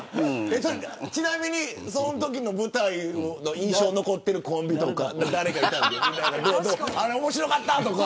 ちなみに、そのときの舞台の印象に残ってるコンビとかあれ面白かったとか。